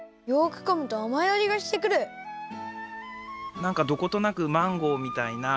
なんかどことなくマンゴーみたいな。